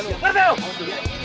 gue hansin ya